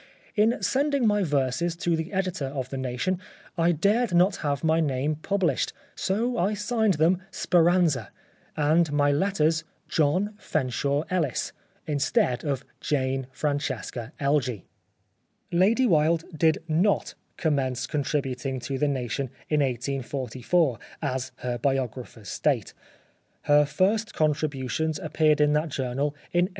In sending my verses to the editor of The Nation I dared not have my name published, so I signed them ' Speranza,' and my letters * John Fenshaw Ellis,' instead of Jane Francesca Elgee." 46 The Life of Oscar Wilde Lady Wilde did not commence contributing to The Nation in 1844, as her biographers state. Her first contributions appeared in that journal in 1847.